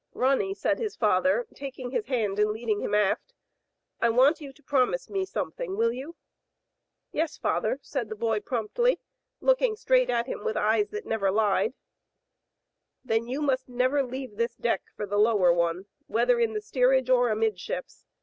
*' Digitized by Google H. W, LUCY, 247 "Ronny/* said his father, taking his hand and leading him aft, "I want you to promise me something; will you?" "Yes, father," said the boy promptly, looking straight at him with eyes that never Hed. "Then you must never leave this deck for the lower one, whether in the steerage or amidships.